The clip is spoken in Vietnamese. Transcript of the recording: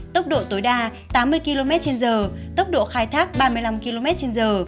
tốc độ tối đa tám mươi km trên giờ tốc độ khai thác ba mươi năm km trên giờ